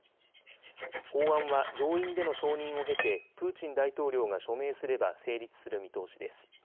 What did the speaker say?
法案は上院での承認を経てプーチン大統領が署名すれば成立する見通しです。